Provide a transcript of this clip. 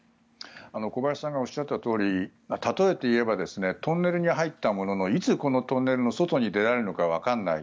小林さんがおっしゃったとおり例えて言えばトンネルに入ったもののいつ、このトンネルの外に出られるかわからない。